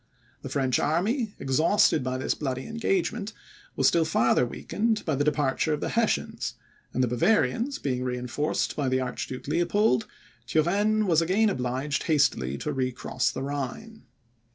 The French army, exhausted by this bloody engagement, was still farther weakened by the departure of the Hessians, and the Bavarians being reinforced by the Archduke Leopold, Turenne was again obliged hastily to recross the Rhine.